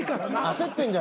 焦ってる？